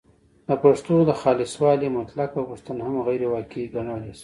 د پښتو د خالصوالي مطلقه غوښتنه هم غیرواقعي ګڼلای شو